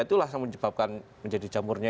itulah yang menyebabkan menjadi jamurnya